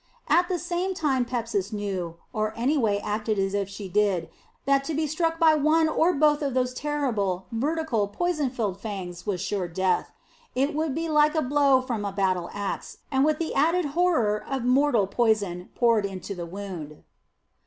At the same time Pepsis knew or anyway acted as if she did that to be struck by one or both of those terrible vertical, poison filled fangs was sure death. It would be like a blow from a battle axe, with the added horror of mortal poison poured into the wound.